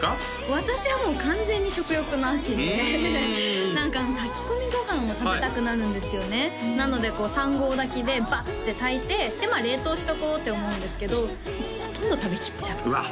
私はもう完全に食欲の秋で何か炊き込みご飯を食べたくなるんですよねなのでこう３合炊きでバッて炊いてでまあ冷凍しとこうって思うんですけどほとんど食べ切っちゃううわ